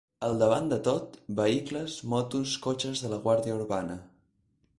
Al davant de tot, vehicles, motos, cotxes de la Guàrdia Urbana.